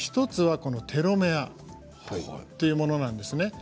１つはテロメアというものなんですね。